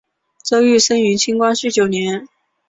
周珏生于清光绪九年。